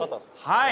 はい。